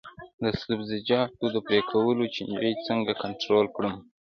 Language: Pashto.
د سبزیجاتو د پرې کولو چینجي څنګه کنټرول کړم؟